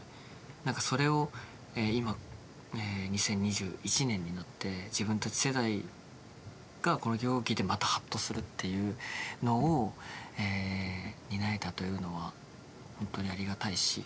何かそれを今２０２１年になって自分たち世代がこの曲を聴いてまたハッとするっていうのを担えたというのは本当にありがたいし。